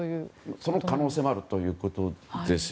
その可能性もあるということです。